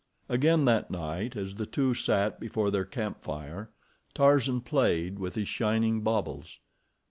Again, that night, as the two sat before their camp fire, Tarzan played with his shining baubles.